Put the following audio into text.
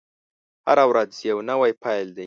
هره ورځ يو نوی پيل دی.